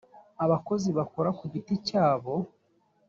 abakozi bakora kugiti cyabo.